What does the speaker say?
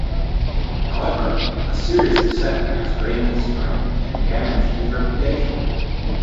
However, a series of setbacks drained his strength and damaged his reputation.